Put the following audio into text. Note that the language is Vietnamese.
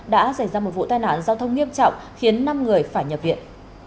đã xảy ra một vụ tai nạn giao thông nghiêm trọng khiến năm người phải nhập viện